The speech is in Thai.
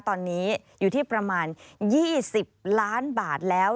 ตอนนี้อยู่ที่ประมาณ๒๐ล้านบาทแล้ว